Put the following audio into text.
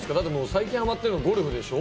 最近ハマってるの、ゴルフでしょ？